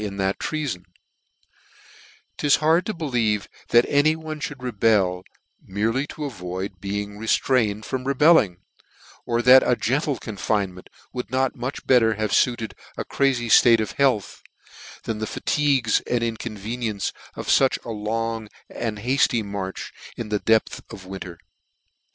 in that treafon : 'tis hard to believe that any one mould rebel, merely to avoid being re ftrained from rebelling ; or that a gentle confine ment would not mnch better have fritted a crazy ilate of health, than the fatigues and inconveni ences of fuch long and hafty marches in the depth of winter.